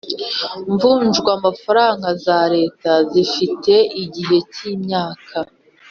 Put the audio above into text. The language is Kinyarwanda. mvunjwamafaranga za Leta zifite igihe cy imyaka